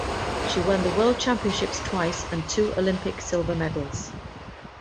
She won the World Championships twice and two Olympic silver medals.